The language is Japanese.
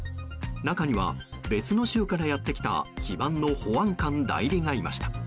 中には、別の州からやってきた非番の保安官代理がいました。